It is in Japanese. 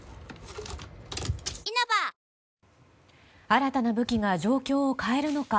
新たな武器が状況を変えるのか。